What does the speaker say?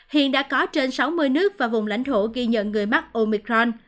hiện đã có trên sáu mươi nước và vùng lãnh thổ ghi nhận người mắc omicron